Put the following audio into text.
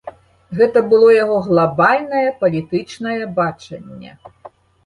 Гэта было яго глабальнае палітычнае бачанне.